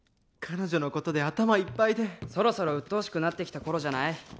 彼女のことで頭いっぱいでそろそろうっとうしくなってきた頃じゃない？